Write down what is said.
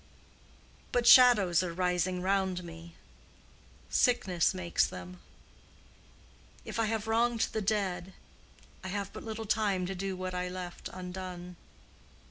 But shadows are rising round me. Sickness makes them. If I have wronged the dead—I have but little time to do what I left undone."